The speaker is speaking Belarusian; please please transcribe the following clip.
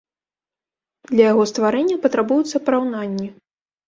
Для яго стварэння патрабуюцца параўнанні.